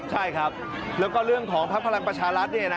ใช่ครับแล้วก็เรื่องของภักดิ์พลังประชารัฐ